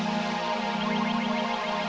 kok jadi kalian yang ketakut